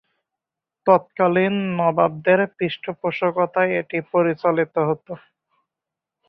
তৎকালে নবাবদের পৃষ্ঠপোষকতায় এটি পরিচালিত হত।